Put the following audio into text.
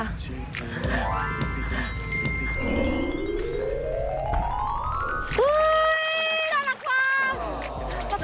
หลักฟลาง